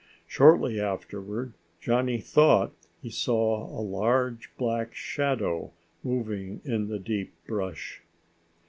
Shortly afterward Johnny thought he saw a large black shadow moving in the deep brush.